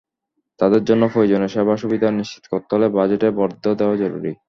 তাদের জন্য প্রয়োজনীয় সেবা-সুবিধা নিশ্চিত করতে হলে বাজেটে বরাদ্দ দেওয়া জরুরি।